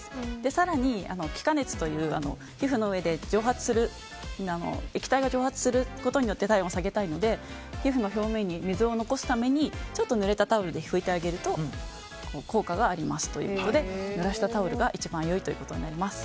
更に気化熱という皮膚の上で液体が蒸発することによって体温を下げたいので皮膚の表面に水を残すためにちょっと濡れたタオルで拭いてあげると効果がありますということで濡らしたタオルが一番良いということになります。